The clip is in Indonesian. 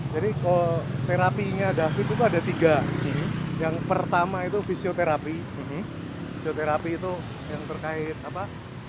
terapinya david itu ada tiga yang pertama itu fisioterapi ini fisioterapi itu yang terkait apa